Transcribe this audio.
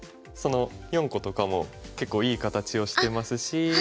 その４個とかも結構いい形をしてますし。